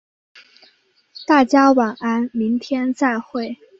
大家晚安，明天再会。